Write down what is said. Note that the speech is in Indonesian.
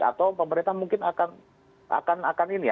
atau pemerintah mungkin akan ini ya